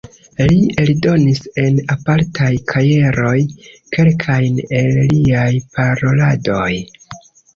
Li eldonis en apartaj kajeroj kelkajn el liaj paroladoj.